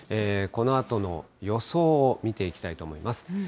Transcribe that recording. このあとの予想を見ていきたいと思います。